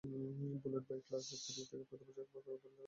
Bullet ভাই class three থেকে প্রতিবছর একবার করে ফেল করে আসছে।